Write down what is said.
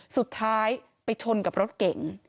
สุดท้ายไปชนกับรถเก๋ง